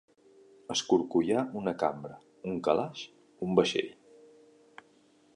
Escorcollar una cambra, un calaix, un vaixell.